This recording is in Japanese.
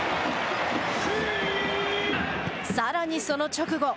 さらに、その直後。